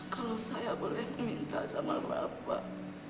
kalau saya boleh minta sama bapak